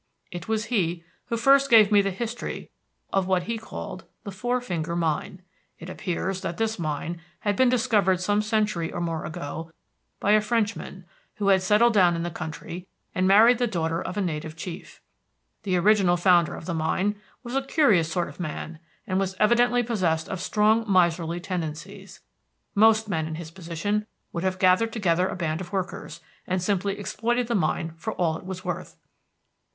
It was he who first gave me the history of what he called the Four Finger Mine. It appears that this mine had been discovered some century or more ago by a Frenchman, who had settled down in the country and married the daughter of a native chief. The original founder of the mine was a curious sort of man, and was evidently possessed of strong miserly tendencies. Most men in his position would have gathered together a band of workers, and simply exploited the mine for all it was worth.